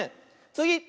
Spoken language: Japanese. つぎ！